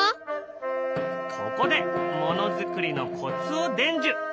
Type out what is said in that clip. ここでものづくりのコツを伝授！